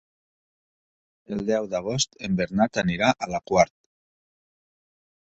El deu d'agost en Bernat anirà a la Quar.